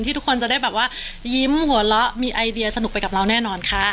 ทุกคนจะได้แบบว่ายิ้มหัวเราะมีไอเดียสนุกไปกับเราแน่นอนค่ะ